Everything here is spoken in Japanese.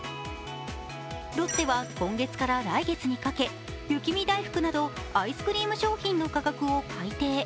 ロッテは今月から来月にかけ、雪見だいふくなどアイスクリーム商品の価格を改定。